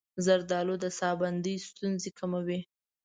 زردآلو د ساه بندۍ ستونزې کموي.